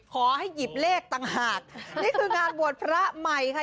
ขอให้หยิบเลขต่างหากนี่คืองานบวชพระใหม่ค่ะ